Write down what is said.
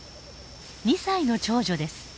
２歳の長女です。